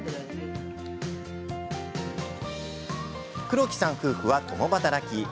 黒木さん夫婦は共働き。